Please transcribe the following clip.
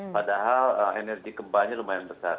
padahal energi kembanya lumayan besar